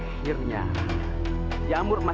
itulah jangkaan yang miripan